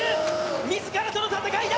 自らとの戦いだ。